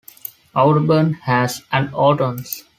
Audubon has an Orton's.